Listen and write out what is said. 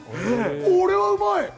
これはうまい。